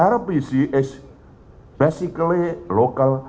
karena rpc adalah lokal